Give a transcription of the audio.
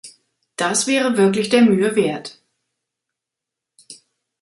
Das wäre wirklich der Mühe wert.